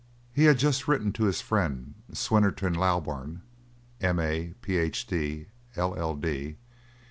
He had just written (to his friend Swinnerton Loughburne, M.A., Ph.D., L.L.D.)